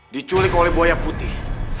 diculik oleh buaya putih